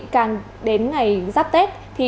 càng đến ngày giáp tết